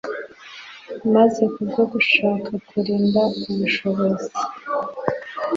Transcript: maze kubwo gushaka kurinda ubushobozi